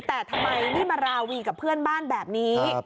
แต่ทำไมไม่มาราวีกับเพื่อนบ้านแบบนี้